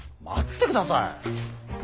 待ってください！